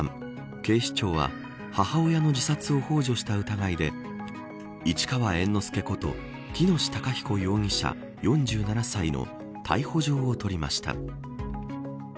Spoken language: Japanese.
警視庁は母親の自殺をほう助した疑いで市川猿之助こと喜熨斗孝彦容疑者、４７歳の逮捕状を取りました。